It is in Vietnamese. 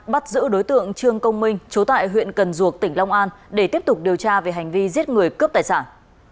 bắt giữ đối tượng trương công minh chú tại huyện cần duộc tỉnh long an để tiếp tục điều tra về hành vi giết người cướp tài sản